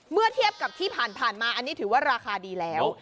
เมื่อเทียบกับที่ผ่านมาอันนี้ถือว่าราคาดีแล้ว